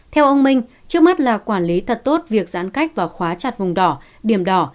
theo ông minh trước mắt là quản lý thật tốt việc giãn cách và khóa chặt vùng đỏ điểm đỏ